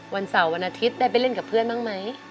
วันเสาร์วันอาทิตย์ได้ไปเล่นกับเพื่อนบ้างไหม